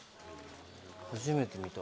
初めて見た。